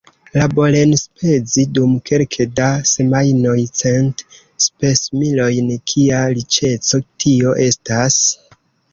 Laborenspezi dum kelke da semajnoj cent spesmilojn -- kia riĉeco tio estas!